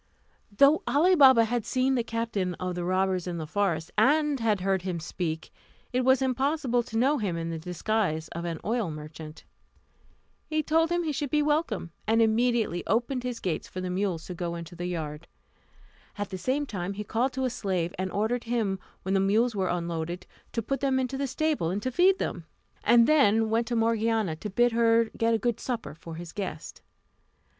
Though Ali Baba had seen the captain of the robbers in the forest, and had heard him speak, it was impossible to know him in the disguise of an oil merchant. He told him he should be welcome, and immediately opened his gates for the mules to go into the yard. At the same time he called to a slave, and ordered him, when the mules were unloaded, to put them into the stable, and to feed them; and then went to Morgiana, to bid her get a good supper for his guest.